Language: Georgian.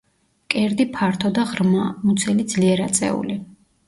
მკერდი ფართო და ღრმაა; მუცელი ძლიერ აწეული.